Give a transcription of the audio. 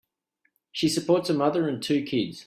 She supports a mother and two kids.